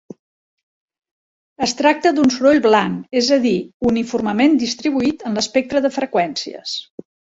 Es tracta d'un soroll blanc, és a dir, uniformement distribuït en l'espectre de freqüències.